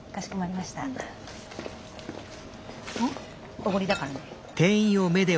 おごりだからね。